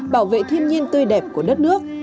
bảo vệ thiên nhiên tươi đẹp của đất nước